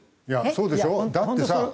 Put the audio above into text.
そうでしょ？だってさ。